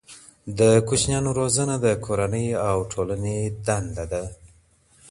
د ماشومانو روزنه د کورنۍ او ټولني دنده ده.